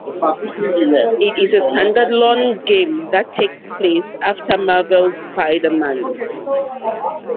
it is a standalone game that takes place after Marvel's Spider-Man